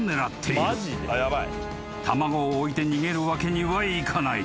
［卵を置いて逃げるわけにはいかない］